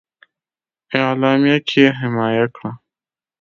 اعلامیه کې حمایه کړه.